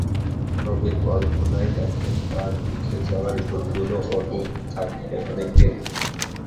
তবে কল্পনায় দেখেন, তাঁর রেখে যাওয়া রেকর্ডগুলো অটুট থাকবে অনেক দিন।